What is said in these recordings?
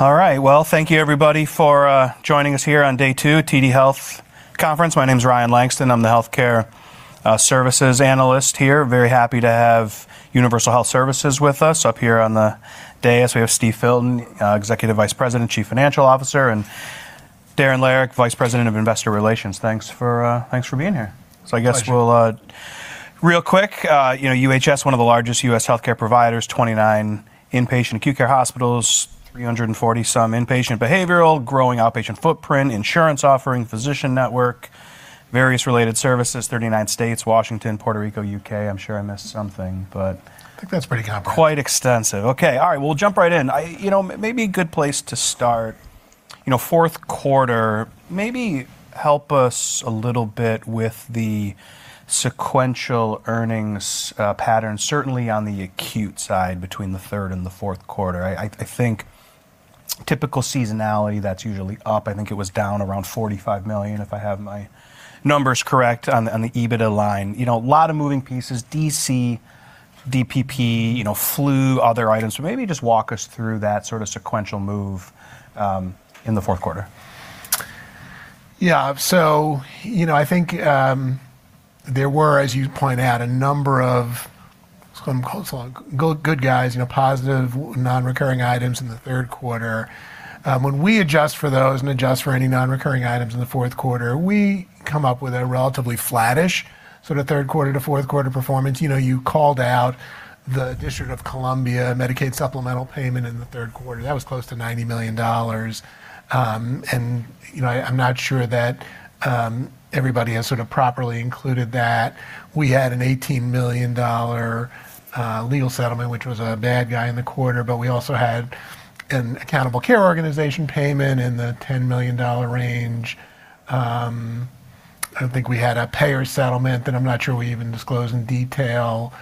All right. Well, thank you everybody for joining us here on day two, TD Health Conference. My name's Ryan Langston. I'm the healthcare services analyst here. Very happy to have Universal Health Services with us. Up here on the dais, we have Steve Filton, Executive Vice President, Chief Financial Officer, and Darren Lehrich, Vice President of Investor Relations. Thanks for being here. Pleasure. I guess we'll real quick, you know, UHS, one of the largest U.S. healthcare providers, 29 inpatient acute care hospitals, 340 some inpatient behavioral, growing outpatient footprint, insurance offering, physician network, various related services, 39 states, Washington, Puerto Rico, U.K. I'm sure I missed something. I think that's pretty comprehensive. Quite extensive. Okay. All right. We'll jump right in. I You know, maybe a good place to start, you know, fourth quarter, maybe help us a little bit with the sequential earnings pattern, certainly on the acute side between the third and the fourth quarter. I think typical seasonality that's usually up, I think it was down around $45 million, if I have my numbers correct on the EBITDA line. You know, a lot of moving pieces, D.C., DPP, you know, flu, other items. So maybe just walk us through that sort of sequential move in the fourth quarter. You know, I think, there were, as you point out, a number of sort of close good guys, you know, positive non-recurring items in the third quarter. When we adjust for those and adjust for any non-recurring items in the fourth quarter, we come up with a relatively flattish sort of third quarter to fourth quarter performance. You know, you called out the District of Columbia Medicaid supplemental payment in the third quarter. That was close to $90 million. You know, I'm not sure that everybody has sort of properly included that. We had an $18 million legal settlement, which was a bad guy in the quarter, but we also had an Accountable Care Organization payment in the $10 million range. I think we had a payer settlement that I'm not sure we even disclosed in detail.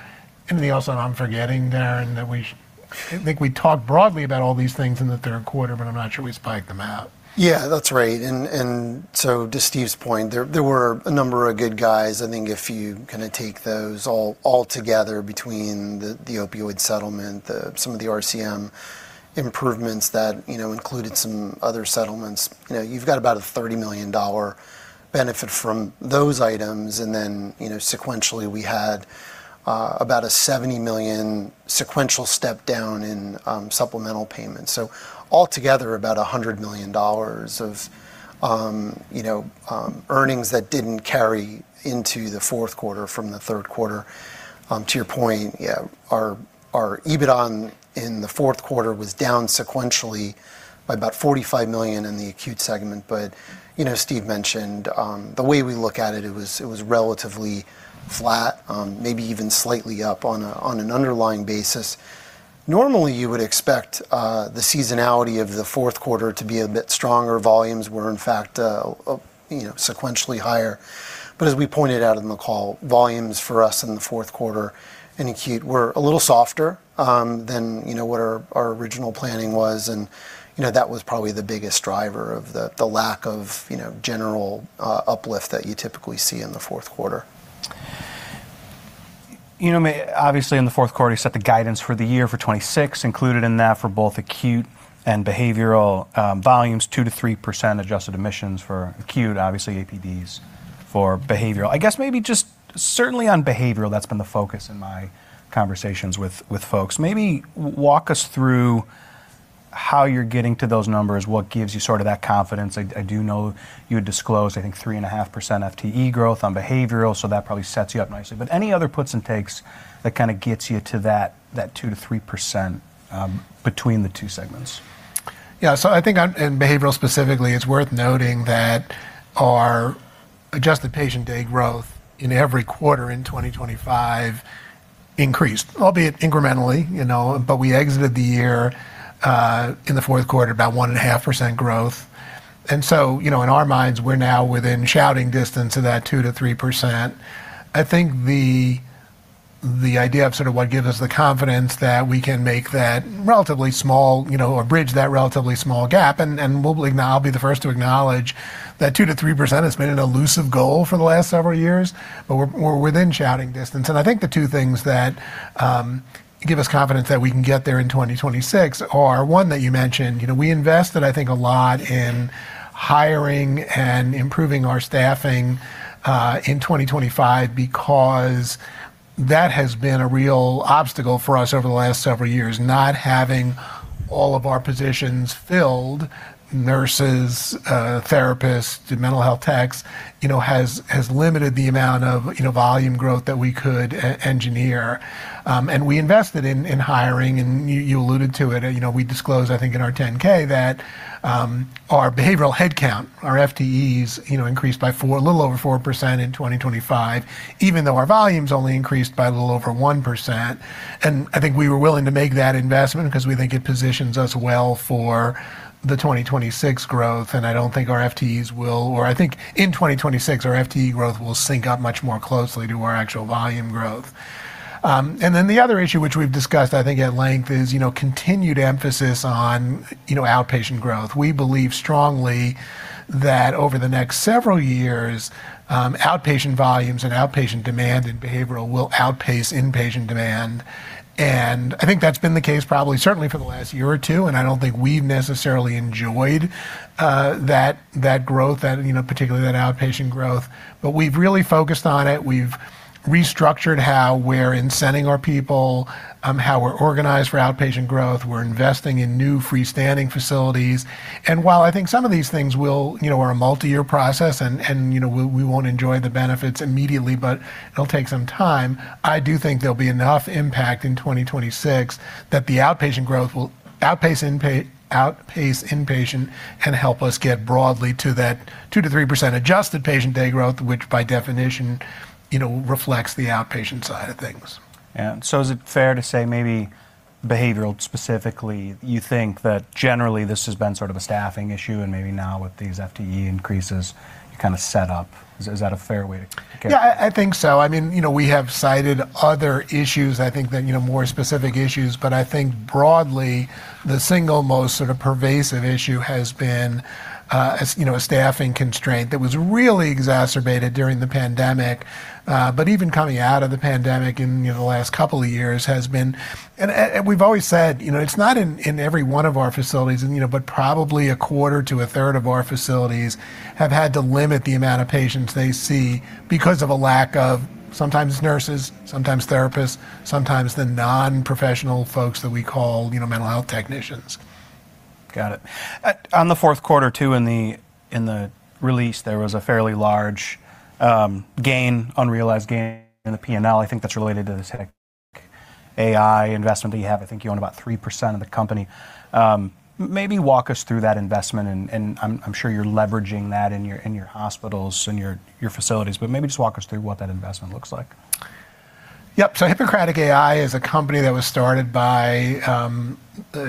Anything else that I'm forgetting, Darren, I think we talked broadly about all these things in the third quarter, but I'm not sure we spiked them out. Yeah, that's right. To Steve's point, there were a number of good guys. I think if you kinda take those all together between the opioid settlement, some of the RCM improvements that, you know, included some other settlements, you know, you've got about a $30 million benefit from those items. Sequentially, we had about a $70 million sequential step down in supplemental payments. Altogether, about a $100 million of, you know, earnings that didn't carry into the fourth quarter from the third quarter. To your point, yeah, our EBITDA in the fourth quarter was down sequentially by about $45 million in the acute segment. You know, Steve mentioned, the way we look at it was, it was relatively flat, maybe even slightly up on a, on an underlying basis. Normally, you would expect, the seasonality of the fourth quarter to be a bit stronger. Volumes were, in fact, you know, sequentially higher. As we pointed out in the call, volumes for us in the fourth quarter in acute were a little softer, than, you know, what our original planning was. You know, that was probably the biggest driver of the lack of, you know, general, uplift that you typically see in the fourth quarter. You know, obviously, in the fourth quarter, you set the guidance for the year for 2026, included in that for both acute and behavioral volumes, 2%-3% adjusted admissions for acute, obviously APDs for behavioral. I guess maybe just certainly on behavioral, that's been the focus in my conversations with folks. Maybe walk us through how you're getting to those numbers, what gives you sort of that confidence. I do know you had disclosed, I think, 3.5% FTE growth on behavioral, so that probably sets you up nicely. Any other puts and takes that kinda gets you to that 2%-3% between the two segments? I think on, in behavioral specifically, it's worth noting that our Adjusted Patient Day growth in every quarter in 2025 increased, albeit incrementally, you know, but we exited the year in the fourth quarter about 1.5% growth. You know, in our minds, we're now within shouting distance of that 2%-3%. I think the idea of sort of what gives us the confidence that we can make that relatively small, you know, or bridge that relatively small gap, I'll be the first to acknowledge that 2%-3% has been an elusive goal for the last several years, but we're within shouting distance. I think the two things that give us confidence that we can get there in 2026 are, one, that you mentioned. You know, we invested, I think, a lot in hiring and improving our staffing in 2025 because that has been a real obstacle for us over the last several years. Not having all of our positions filled, nurses, therapists, the mental health techs, you know, has limited the amount of, you know, volume growth that we could engineer. We invested in hiring, and you alluded to it. You know, we disclosed, I think, in our 10-K that our behavioral headcount, our FTEs, you know, increased by four, a little over 4% in 2025, even though our volumes only increased by a little over 1%. I think we were willing to make that investment because we think it positions us well for the 2026 growth. I think in 2026, our FTE growth will sync up much more closely to our actual volume growth. The other issue which we've discussed, I think, at length is, you know, continued emphasis on, you know, outpatient growth. We believe strongly that over the next several years, outpatient volumes and outpatient demand in behavioral will outpace inpatient demand. I think that's been the case probably certainly for the last year or two, and I don't think we've necessarily enjoyed that growth, that, you know, particularly that outpatient growth. We've really focused on it. We've restructured how we're incenting our people, how we're organized for outpatient growth. We're investing in new freestanding facilities. While I think some of these things, you know, are a multi-year process and, you know, we won't enjoy the benefits immediately, but it'll take some time, I do think there'll be enough impact in 2026 that the outpatient growth will outpace inpatient and help us get broadly to that 2%-3% Adjusted Patient Day growth, which by definition, you know, reflects the outpatient side of things. Is it fair to say maybe behavioral specifically, you think that generally this has been sort of a staffing issue, and maybe now with these FTE increases, you're kind of set up? Is that a fair way to Yeah, I think so. I mean, you know, we have cited other issues, I think that, you know, more specific issues. I think broadly, the single most sort of pervasive issue has been, as, you know, a staffing constraint that was really exacerbated during the pandemic, but even coming out of the pandemic in, you know, the last couple of years has been. We've always said, you know, it's not in every one of our facilities and, you know, but probably a quarter to a third of our facilities have had to limit the amount of patients they see because of a lack of sometimes nurses, sometimes therapists, sometimes the non-professional folks that we call, you know, mental health technicians. Got it. On the fourth quarter too, in the release, there was a fairly large gain, unrealized gain in the P&L. I think that's related to this Hippocratic AI investment that you have. I think you own about 3% of the company. Maybe walk us through that investment and I'm sure you're leveraging that in your hospitals and your facilities, but maybe just walk us through what that investment looks like. Hippocratic AI is a company that was started by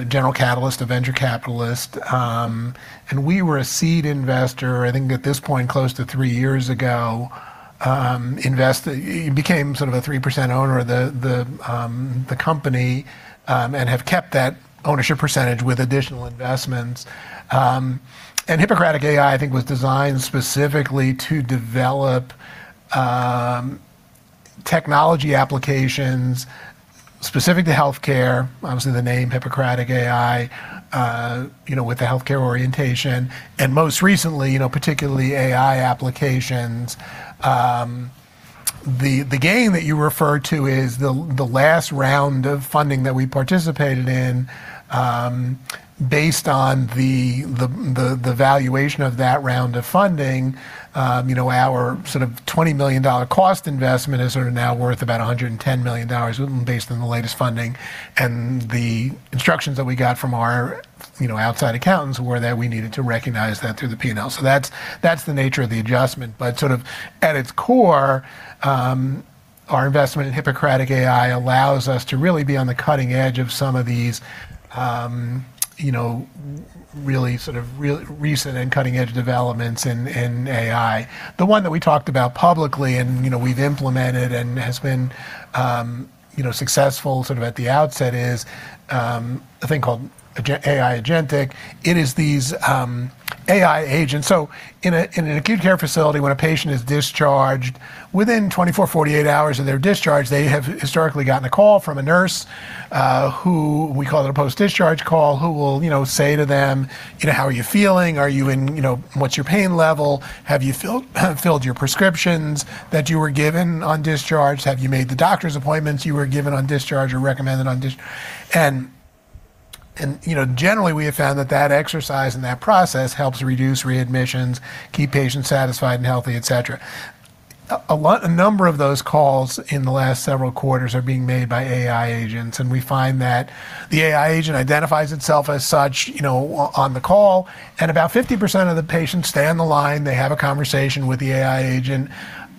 General Catalyst, a venture capitalist, and we were a seed investor, I think at this point, close to three years ago, you became sort of a 3% owner of the company, and have kept that ownership percentage with additional investments. Hippocratic AI, I think, was designed specifically to develop technology applications specific to healthcare. Obviously, the name Hippocratic AI, you know, with the healthcare orientation, and most recently, you know, particularly AI applications. The gain that you referred to is the last round of funding that we participated in. Based on the valuation of that round of funding, you know, our sort of $20 million cost investment is sort of now worth about $110 million based on the latest funding. The instructions that we got from our, you know, outside accountants were that we needed to recognize that through the P&L. That's, that's the nature of the adjustment. Sort of at its core, our investment in Hippocratic AI allows us to really be on the cutting edge of some of these, you know, really sort of real-recent and cutting edge developments in AI. The one that we talked about publicly and, you know, we've implemented and has been, you know, successful sort of at the outset is a thing called AI Agentic. It is these AI agents. In a, in an acute care facility, when a patient is discharged, within 24-48 hours of their discharge, they have historically gotten a call from a nurse, who we call it a post-discharge call, who will, you know, say to them, you know, "How are you feeling? You know, what's your pain level? Have you filled your prescriptions that you were given on discharge? Have you made the doctor's appointments you were given on discharge or recommended on discharge?" Generally, we have found that that exercise and that process helps reduce readmissions, keep patients satisfied and healthy, et cetera. A number of those calls in the last several quarters are being made by AI agents, and we find that the AI agent identifies itself as such, you know, on the call, and about 50% of the patients stay on the line. They have a conversation with the AI agent.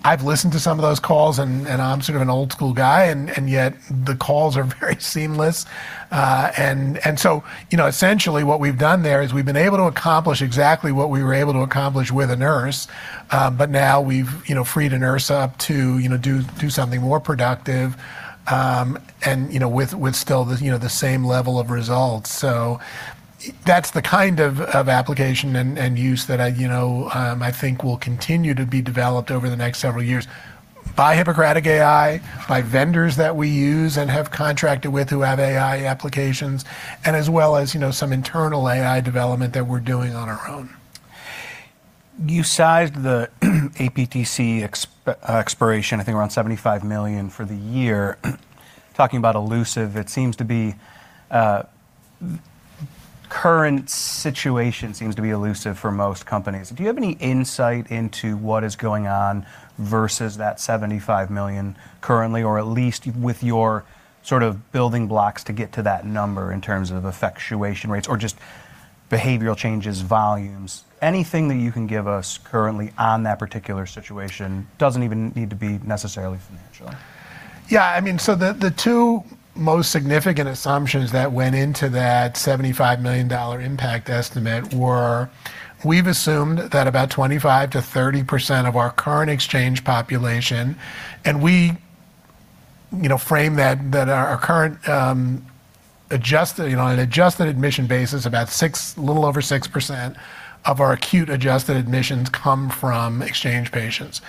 I've listened to some of those calls, and I'm sort of an old school guy, and yet the calls are very seamless. You know, essentially what we've done there is we've been able to accomplish exactly what we were able to accomplish with a nurse, but now we've, you know, freed a nurse up to, you know, do something more productive, and, you know, with still the, you know, the same level of results. That's the kind of application and use that I, you know, I think will continue to be developed over the next several years by Hippocratic AI, by vendors that we use and have contracted with who have AI applications, and as well as, you know, some internal AI development that we're doing on our own. You sized the APTC expiration, I think around $75 million for the year. Talking about elusive, it seems to be, current situation seems to be elusive for most companies. Do you have any insight into what is going on versus that $75 million currently, or at least with your sort of building blocks to get to that number in terms of effectuation rates or just behavioral changes, volumes? Anything that you can give us currently on that particular situation. Doesn't even need to be necessarily financial. Yeah. I mean, the two most significant assumptions that went into that $75 million impact estimate were, we've assumed that about 25%-30% of our current exchange population, and we, you know, frame that our current Adjusted, you know, on an adjusted admission basis, about 6%, little over 6% of our acute adjusted admissions come from exchange patients.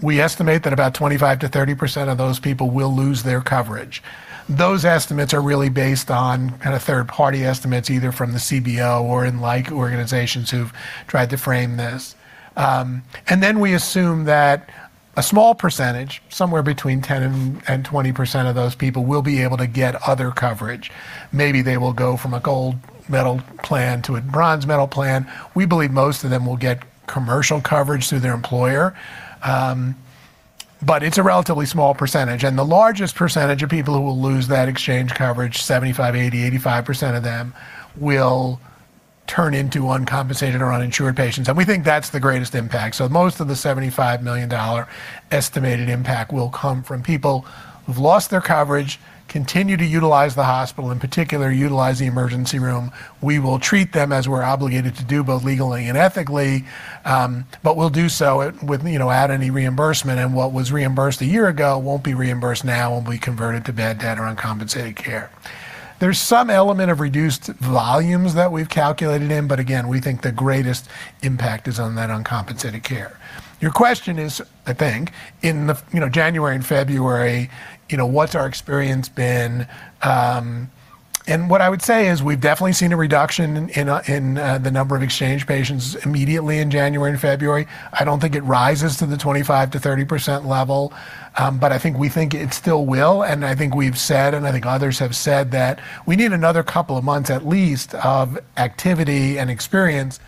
We estimate that about 25%-30% of those people will lose their coverage. Those estimates are really based on kind of third-party estimates, either from the CBO or in like organizations who've tried to frame this. We assume that a small percentage, somewhere between 10%-20% of those people, will be able to get other coverage. Maybe they will go from a Gold medal plan to a Bronze medal plan. We believe most of them will get commercial coverage through their employer. But it's a relatively small percentage. The largest percentage of people who will lose that exchange coverage, 75%, 80%, 85% of them will turn into uncompensated or uninsured patients, and we think that's the greatest impact. Most of the $75 million estimated impact will come from people who've lost their coverage, continue to utilize the hospital, in particular, utilize the emergency room. We will treat them as we're obligated to do both legally and ethically, you know, without any reimbursement. What was reimbursed a year ago won't be reimbursed now, will be converted to bad debt or uncompensated care. There's some element of reduced volumes that we've calculated in, again, we think the greatest impact is on that uncompensated care. Your question is, I think, in the, you know, January and February, you know, what's our experience been? What I would say is we've definitely seen a reduction in the number of exchange patients immediately in January and February. I don't think it rises to the 25%-30% level, but I think we think it still will. I think we've said, and I think others have said that we need another couple of months at least of activity and experience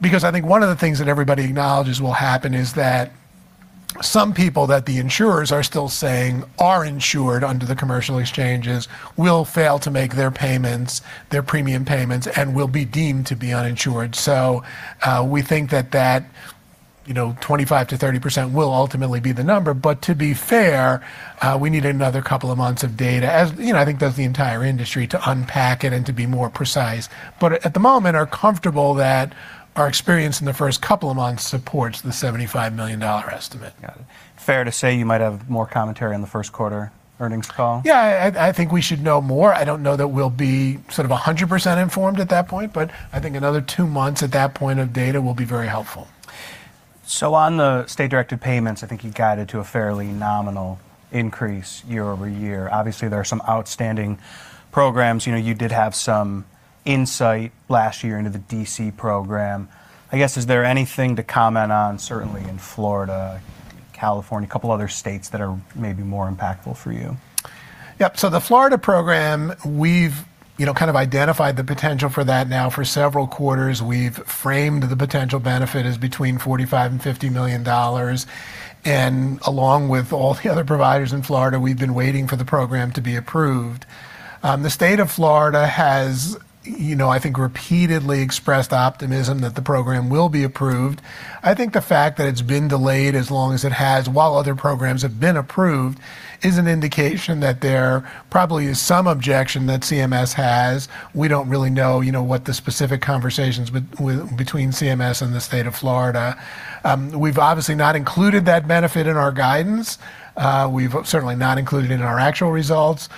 because I think one of the things that everybody acknowledges will happen is that some people that the insurers are still saying are insured under the commercial exchanges will fail to make their payments, their premium payments, and will be deemed to be uninsured. We think that, you know, 25%-30% will ultimately be the number. To be fair, we need another couple of months of data, as, you know, I think does the entire industry, to unpack it and to be more precise. At the moment, are comfortable that our experience in the first couple of months supports the $75 million estimate. Got it. Fair to say you might have more commentary on the first quarter earnings call? Yeah, I think we should know more. I don't know that we'll be sort of 100% informed at that point, but I think another two months at that point of data will be very helpful. On the state-directed payments, I think you guided to a fairly nominal increase year-over-year. Obviously, there are some outstanding programs. You know, you did have some insight last year into the D.C. program. I guess, is there anything to comment on, certainly in Florida, California, a couple other states that are maybe more impactful for you? Yep. The Florida program, we've, you know, kind of identified the potential for that now for several quarters. We've framed the potential benefit as between $45 million and $50 million. Along with all the other providers in Florida, we've been waiting for the program to be approved. The state of Florida has, you know, I think, repeatedly expressed optimism that the program will be approved. I think the fact that it's been delayed as long as it has while other programs have been approved is an indication that there probably is some objection that CMS has. We don't really know, you know, what the specific conversations between CMS and the state of Florida. We've obviously not included that benefit in our guidance. We've certainly not included it in our actual results.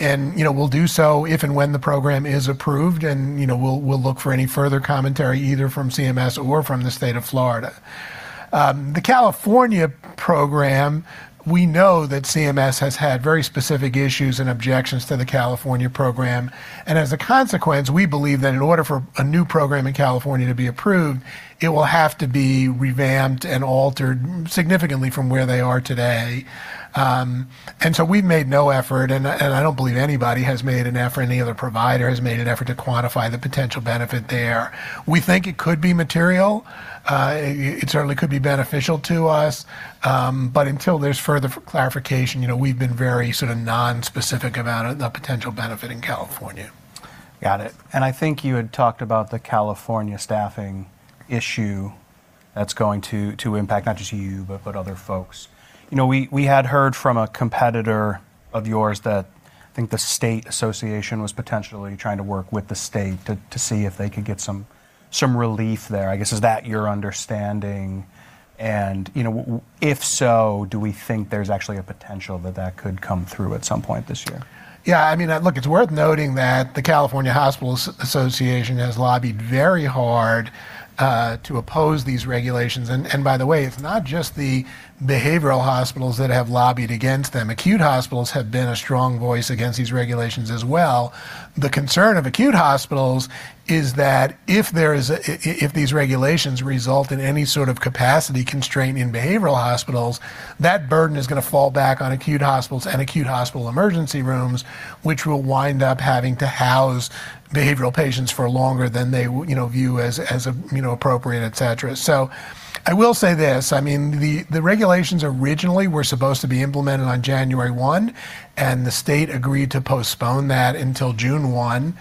You know, we'll do so if and when the program is approved, and, you know, we'll look for any further commentary either from CMS or from the state of Florida. The California program, we know that CMS has had very specific issues and objections to the California program. As a consequence, we believe that in order for a new program in California to be approved, it will have to be revamped and altered significantly from where they are today. We've made no effort, and I don't believe anybody has made an effort, any other provider has made an effort to quantify the potential benefit there. We think it could be material. It certainly could be beneficial to us. Until there's further clarification, you know, we've been very sort of nonspecific about the potential benefit in California. Got it. I think you had talked about the California staffing issue that's going to impact not just you, but other folks. You know, we had heard from a competitor of yours that I think the state association was potentially trying to work with the state to see if they could get some relief there. I guess, is that your understanding? You know, if so, do we think there's actually a potential that that could come through at some point this year? Yeah. I mean, look, it's worth noting that the California Hospital Association has lobbied very hard to oppose these regulations. By the way, it's not just the behavioral hospitals that have lobbied against them. Acute hospitals have been a strong voice against these regulations as well. The concern of acute hospitals is that if these regulations result in any sort of capacity constraint in behavioral hospitals, that burden is gonna fall back on acute hospitals and acute hospital emergency rooms, which will wind up having to house behavioral patients for longer than they you know, view as, you know, appropriate, et cetera. I will say this, I mean, the regulations originally were supposed to be implemented on January 1, and the state agreed to postpone that until June 1.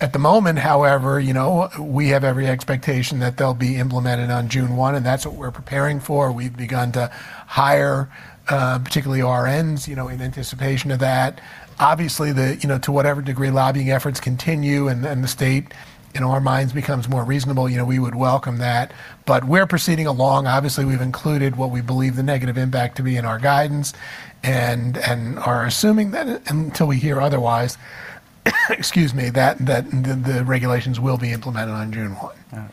At the moment, however, you know, we have every expectation that they'll be implemented on June 1, and that's what we're preparing for. We've begun to hire, particularly RNs, you know, in anticipation of that. Obviously, the, you know, to whatever degree lobbying efforts continue and the state, in our minds, becomes more reasonable, you know, we would welcome that. We're proceeding along. Obviously, we've included what we believe the negative impact to be in our guidance and are assuming that until we hear otherwise. Excuse me. That the regulations will be implemented on June 1. All right.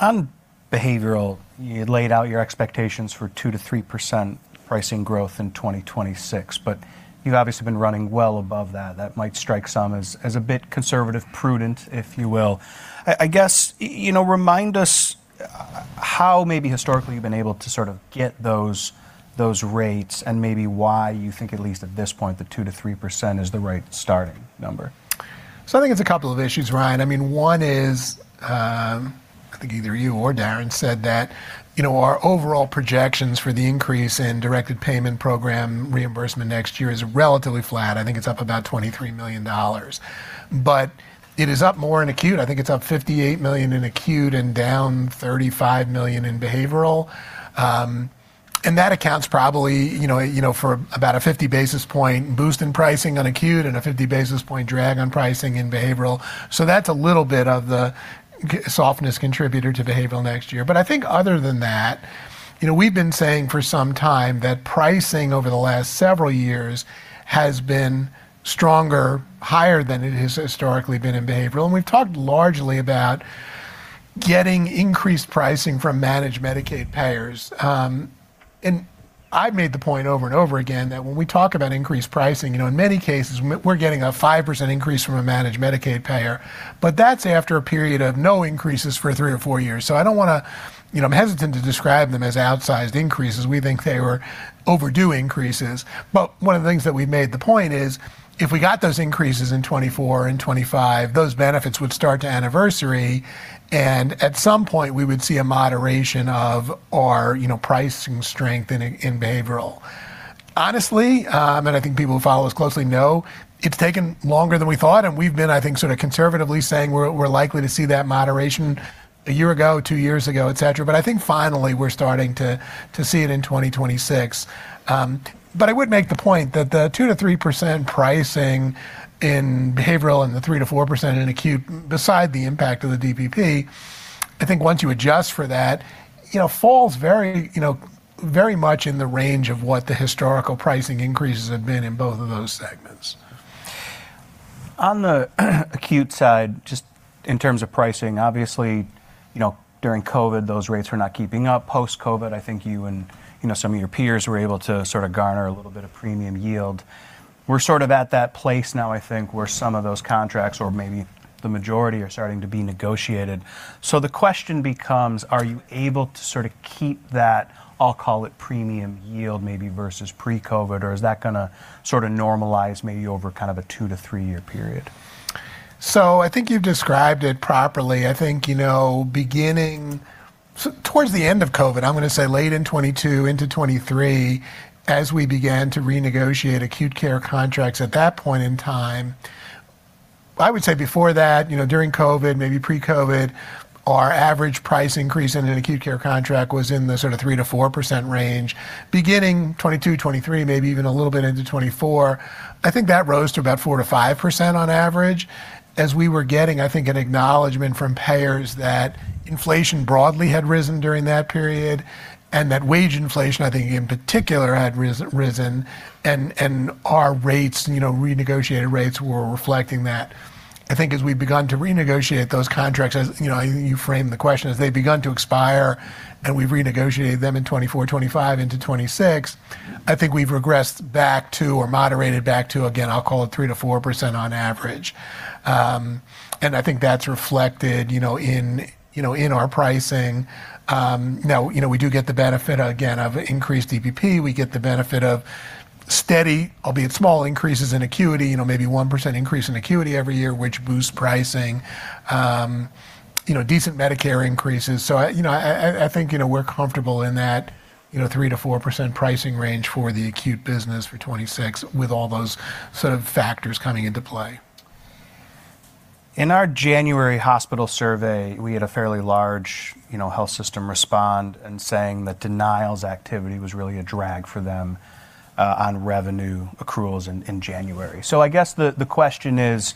On behavioral, you laid out your expectations for 2% to 3% pricing growth in 2026, but you've obviously been running well above that. That might strike some as a bit conservative, prudent, if you will. I guess, you know, remind us how maybe historically you've been able to sort of get those rates and maybe why you think at least at this point, the 2% to 3% is the right starting number? I think it's a couple of issues, Ryan. I mean, one is, I think either you or Darren said that, you know, our overall projections for the increase in directed payment program reimbursement next year is relatively flat. I think it's up about $23 million. It is up more in acute. I think it's up $58 million in acute and down $35 million in behavioral. That accounts probably, you know, for about a 50 basis point boost in pricing on acute and a 50 basis point drag on pricing in behavioral. So that's a little bit of the softness contributor to behavioral next year. I think other than that, you know, we've been saying for some time that pricing over the last several years has been stronger, higher than it has historically been in behavioral. We've talked largely about getting increased pricing from Managed Medicaid payers. I've made the point over and over again that when we talk about increased pricing, you know, in many cases we're getting a 5% increase from a Managed Medicaid Payers, but that's after a period of no increases for three or four years. I don't wanna, you know, I'm hesitant to describe them as outsized increases. We think they were overdue increases. One of the things that we made the point is, if we got those increases in 2024 and 2025, those benefits would start to anniversary, and at some point, we would see a moderation of our, you know, pricing strength in behavioral. Honestly, I think people who follow us closely know, it's taken longer than we thought, and we've been, I think, sort of conservatively saying we're likely to see that moderation 1 year ago, 2 years ago, et cetera. I think finally we're starting to see it in 2026. I would make the point that the 2% to 3% pricing in behavioral and the 3% to 4% in acute, beside the impact of the DPP, I think once you adjust for that, you know, falls very much in the range of what the historical pricing increases have been in both of those segments. On the acute side, just in terms of pricing, obviously, you know, during COVID, those rates were not keeping up. Post-COVID, I think you and, you know, some of your peers were able to sort of garner a little bit of premium yield. We're sort of at that place now, I think, where some of those contracts, or maybe the majority, are starting to be negotiated. The question becomes, are you able to sort of keep that, I'll call it, premium yield maybe versus pre-COVID, or is that gonna sort of normalize maybe over kind of a 2 to 3-year period? I think you've described it properly. I think, you know, beginning towards the end of COVID, I'm gonna say late in 2022 into 2023, as we began to renegotiate acute care contracts at that point in time, I would say before that, you know, during COVID, maybe pre-COVID, our average price increase in an acute care contract was in the sort of 3%-4% range. Beginning 2022, 2023, maybe even a little bit into 2024, I think that rose to about 4%-5% on average as we were getting, I think, an acknowledgment from payers that inflation broadly had risen during that period and that wage inflation, I think, in particular, had risen and our rates, you know, renegotiated rates were reflecting that. I think as we've begun to renegotiate those contracts, as, you know, I think you framed the question, as they've begun to expire, and we've renegotiated them in 2024, 2025 into 2026, I think we've regressed back to or moderated back to, again, I'll call it 3%-4% on average. And I think that's reflected, you know, in, you know, in our pricing. Now, you know, we do get the benefit again of increased DPP. We get the benefit of steady, albeit small, increases in acuity, you know, maybe 1% increase in acuity every year, which boosts pricing, you know, decent Medicare increases. So I, you know, I, I think, you know, we're comfortable in that, you know, 3%-4% pricing range for the acute business for 2026 with all those sort of factors coming into play. In our January hospital survey, we had a fairly large, you know, health system respond and saying that denials activity was really a drag for them, on revenue accruals in January. I guess the question is: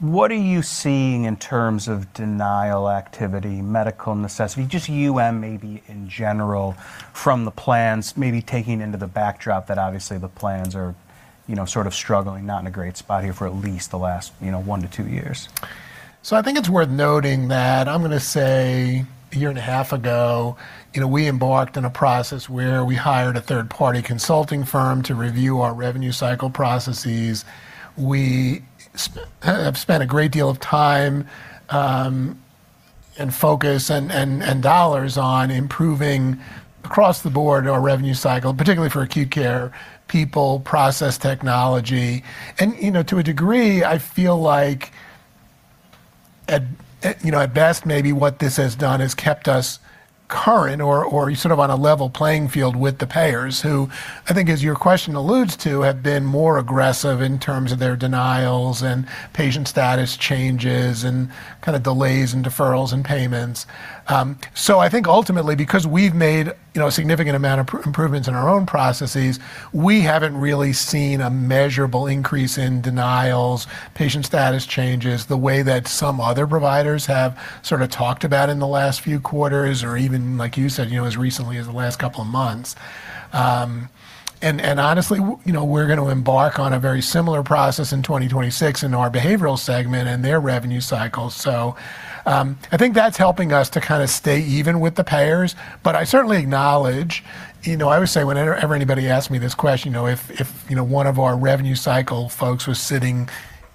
What are you seeing in terms of denial activity, medical necessity, just UM maybe in general from the plans, maybe taking into the backdrop that obviously the plans are, you know, sort of struggling, not in a great spot here for at least the last, you know, one to two years? I think it's worth noting that, I'm gonna say a year and a half ago, you know, we embarked on a process where we hired a third-party consulting firm to review our revenue cycle processes. We have spent a great deal of time, and focus and dollars on improving across the board our revenue cycle, particularly for acute care, people, process, technology. To a degree, I feel like at, you know, at best, maybe what this has done is kept us current or sort of on a level playing field with the payers, who I think as your question alludes to, have been more aggressive in terms of their denials and patient status changes and kinda delays and deferrals in payments. I think ultimately, because we've made, you know, a significant amount of improvements in our own processes, we haven't really seen a measurable increase in denials, patient status changes the way that some other providers have sort of talked about in the last few quarters or even, like you said, you know, as recently as the last couple of months. Honestly, you know, we're gonna embark on a very similar process in 2026 in our behavioral segment and their revenue cycles. I think that's helping us to kinda stay even with the payers. I certainly acknowledge, you know, I would say whenever anybody asks me this question, you know, if, you know, one of our revenue cycle folks was sitting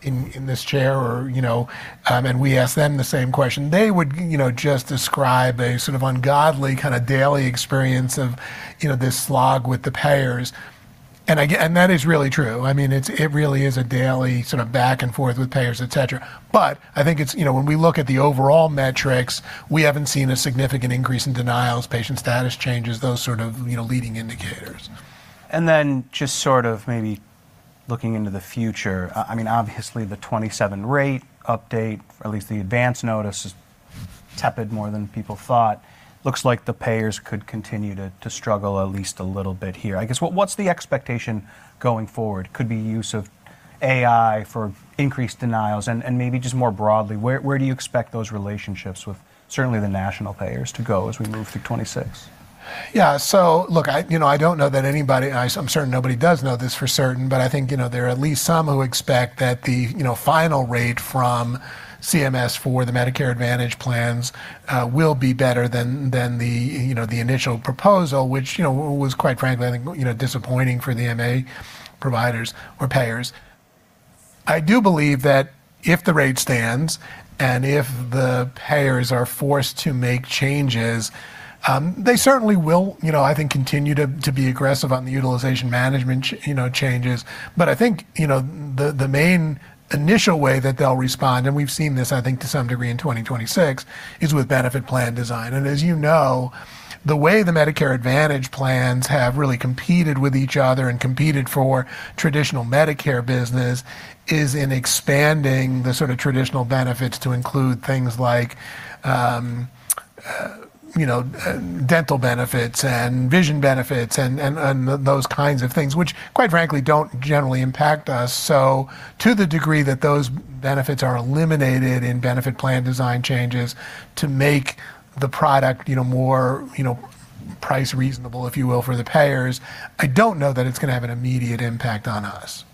in this chair or, you know, and we ask them the same question, they would, you know, just describe a sort of ungodly kinda daily experience of, you know, this slog with the payers. That is really true. I mean, it really is a daily sort of back and forth with payers, et cetera. I think it's, you know, when we look at the overall metrics, we haven't seen a significant increase in denials, patient status changes, those sort of, you know, leading indicators. Just sort of maybe looking into the future, I mean, obviously, the 2027 rate update, or at least the advance notice is tepid more than people thought. Looks like the payers could continue to struggle at least a little bit here. I guess, what's the expectation going forward? Could be use of AI for increased denials and maybe just more broadly, where do you expect those relationships with certainly the national payers to go as we move through 2026? Look, you know, I don't know that anybody, and I'm certain nobody does know this for certain, but I think, you know, there are at least some who expect that the, you know, final rate from CMS for the Medicare Advantage plans will be better than the, you know, the initial proposal, which, you know, was, quite frankly, I think, you know, disappointing for the MA providers or payers. I do believe that if the rate stands and if the payers are forced to make changes, they certainly will, you know, I think, continue to be aggressive on the utilization management, you know, changes. I think, you know, the main initial way that they'll respond, and we've seen this, I think to some degree in 2026, is with benefit plan design. As you know, the way the Medicare Advantage plans have really competed with each other and competed for traditional Medicare business is in expanding the sort of traditional benefits to include things like, you know, dental benefits and vision benefits and those kinds of things, which quite frankly don't generally impact us. To the degree that those benefits are eliminated in benefit plan design changes to make the product, you know, more, you know, price reasonable, if you will, for the payers, I don't know that it's gonna have an immediate impact on us.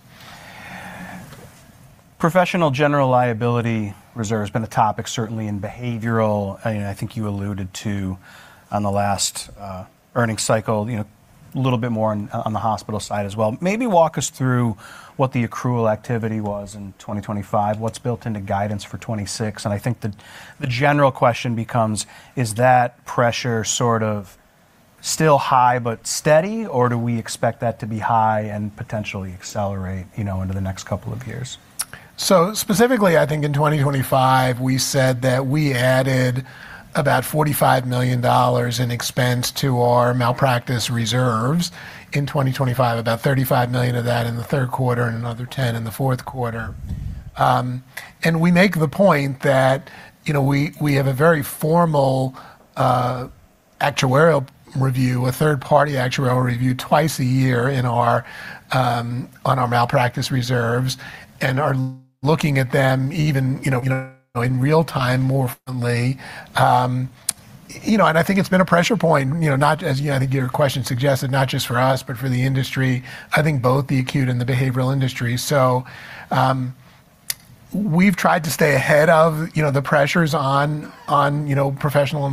Professional general liability reserve has been a topic certainly in behavioral, and I think you alluded to on the last earnings cycle, you know, a little bit more on the hospital side as well. Maybe walk us through what the accrual activity was in 2025, what's built into guidance for 2026, and I think the general question becomes: Is that pressure sort of still high but steady, or do we expect that to be high and potentially accelerate, you know, into the next couple of years? Specifically, I think in 2025, we said that we added about $45 million in expense to our malpractice reserves in 2025, about $35 million of that in the third quarter and another $10 million in the fourth quarter. We make the point that, you know, we have a very formal actuarial review, a third-party actuarial review twice a year in our on our malpractice reserves and are looking at them even, you know, in real time more firmly. I think it's been a pressure point, you know, not as, I think your question suggested, not just for us, but for the industry, I think both the acute and the behavioral industry. we've tried to stay ahead of, you know, the pressures on, you know, professional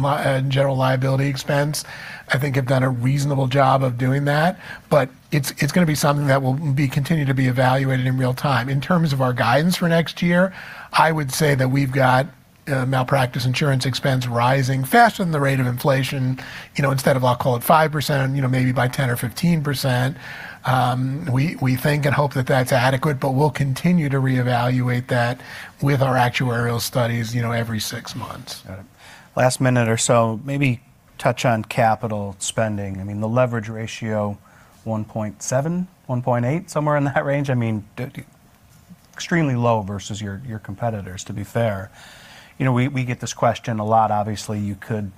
general liability expense, I think have done a reasonable job of doing that, but it's going to be something that will be continue to be evaluated in real time. In terms of our guidance for next year, I would say that we've got malpractice insurance expense rising faster than the rate of inflation, you know, instead of, I'll call it 5%, you know, maybe by 10% or 15%. we think and hope that that's adequate, but we'll continue to reevaluate that with our actuarial studies, you know, every 6 months. Got it. Last minute or so, maybe touch on capital spending. I mean, the leverage ratio 1.7-1.8, somewhere in that range. I mean, extremely low versus your competitors, to be fair. You know, we get this question a lot. Obviously, you could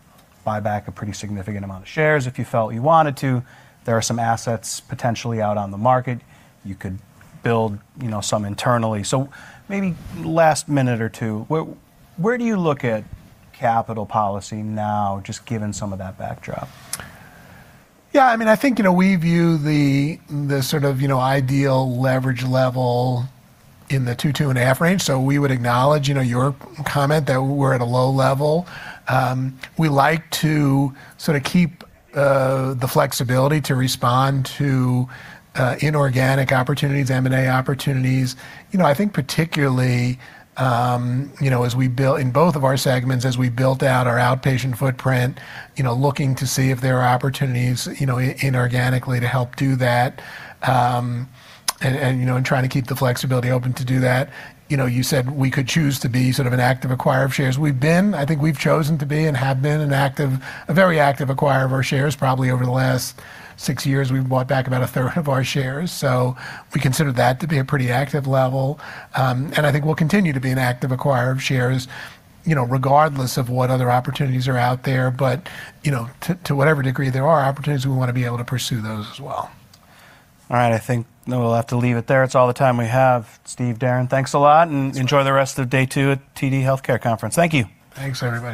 buy back a pretty significant amount of shares if you felt you wanted to. There are some assets potentially out on the market. You could build, you know, some internally. So maybe last minute or two, where do you look at capital policy now, just given some of that backdrop? I mean, I think, you know, we view the sort of, you know, ideal leverage level in the 2.5 range. We would acknowledge, you know, your comment that we're at a low level. We like to sorta keep the flexibility to respond to inorganic opportunities, M&A opportunities. I think particularly, you know, as we build in both of our segments, as we built out our outpatient footprint, you know, looking to see if there are opportunities, you know, inorganically to help do that, and, you know, and trying to keep the flexibility open to do that. You said we could choose to be sort of an active acquirer of shares. I think we've chosen to be and have been an active, a very active acquirer of our shares. Probably over the last six years, we've bought back about a third of our shares. We consider that to be a pretty active level. I think we'll continue to be an active acquirer of shares, you know, regardless of what other opportunities are out there. You know, to whatever degree there are opportunities, we wanna be able to pursue those as well. All right. I think then we'll have to leave it there. It's all the time we have. Steve, Darren, thanks a lot, and enjoy the rest of day two at TD Healthcare Conference. Thank you. Thanks, everyone.